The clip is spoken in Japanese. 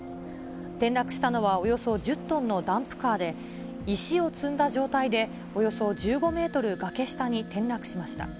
転落したのは、およそ１０トンのダンプカーで、石を積んだ状態で、およそ１５メートル崖下に転落しました。